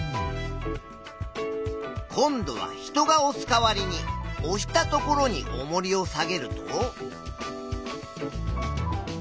今度は人がおす代わりにおしたところにおもりを下げると。